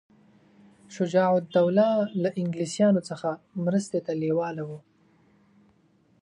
شجاع الدوله له انګلیسیانو څخه مرستې ته لېواله وو.